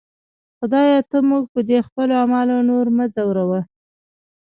خدایه! ته موږ په دې خپلو اعمالو باندې نور مه ځوروه.